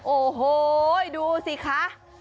โอ้โหดูสิคะ